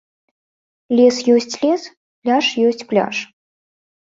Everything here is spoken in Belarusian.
Лес ёсць лес, пляж ёсць пляж.